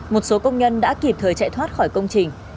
một số công nhân đã kịp thời chạy thoát khỏi công trình